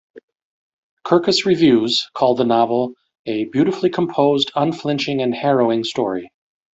"Kirkus reviews" called the novel a "beautifully composed, unflinching and harrowing story".